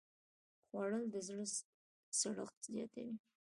خوړل د زړه سړښت زیاتوي